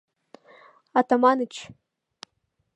А-та-ма-ныч!